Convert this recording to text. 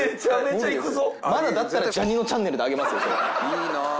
いいな。